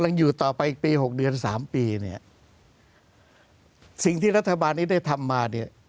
หลังอยู่ต่อไปปี๖เดือน๓ปีสิ่งที่รัฐบาลนี้ได้ทำมา